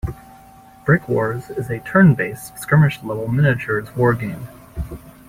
"BrikWars" is a turn-based skirmish-level miniatures wargame.